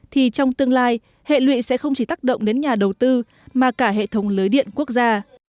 thì trong tương lai hệ lụy sẽ không chỉ tác động đến nhà đầu tư mà cả hệ thống lưới điện quốc gia